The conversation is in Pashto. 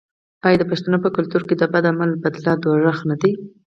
آیا د پښتنو په کلتور کې د بد عمل بدله دوزخ نه دی؟